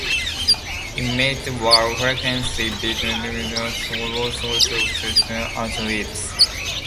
Inmates were frequently beaten, kicked and whipped by Hackmann with sticks and whips.